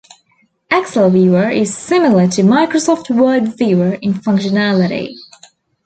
Excel Viewer is similar to Microsoft Word Viewer in functionality.